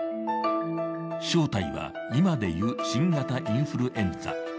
正体は、今で言う新型インフルエンザ。